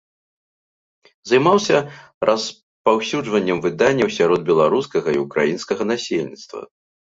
Займаўся распаўсюджваннем выданняў сярод беларускага і ўкраінскага насельніцтва.